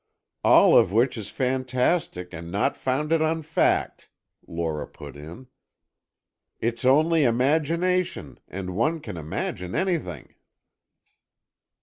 "All of which is fantastic and not founded on fact," Lora put in. "It's only imagination, and one can imagine anything."